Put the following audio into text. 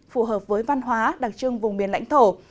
phù hợp với văn hóa đặc trưng vùng biển lãnh thổ